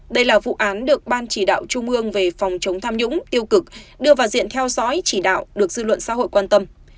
đây là vụ án được ban chỉ đạo trung ương về phòng chống tham nhũng tiêu cực đưa vào diện theo dõi chỉ đạo được dư luận xã hội quan tâm